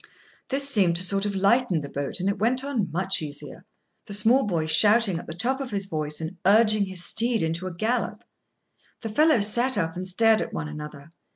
This seemed to sort of lighten the boat, and it went on much easier, the small boy shouting at the top of his voice, and urging his steed into a gallop. The fellows sat up and stared at one another.